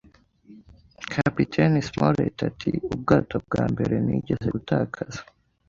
Kapiteni Smollett ati: "Ubwato bwa mbere nigeze gutakaza."